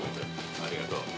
ありがとう。